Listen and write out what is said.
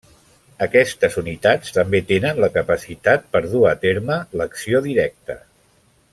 Aquestes unitats també tenen la capacitat per dur a terme l'acció directa.